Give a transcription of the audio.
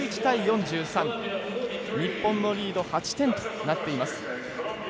日本のリード８点となっています。